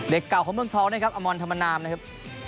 เก่าของเมืองทองนะครับอมรธรรมนามนะครับ